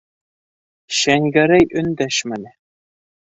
Шәңгәрәй өндәшмәне.